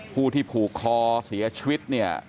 ผู้ที่ผูกคอเสียชีวิต